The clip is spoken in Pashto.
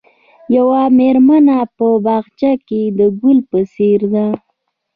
یوه مېرمنه په باغچه کې د ګل په څېر ده.